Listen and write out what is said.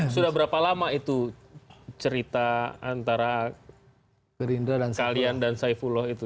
sudah berapa lama itu cerita antara kalian dan saifuloh itu